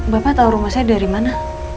bapak tahu rumah saya dari mana